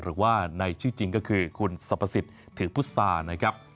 หรือว่าในชื่อจริงก็คือคุณสรรพสิทธิ์ถือพุษานะครับ